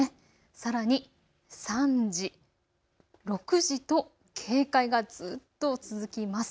さらに３時、６時と警戒がずっと続きます。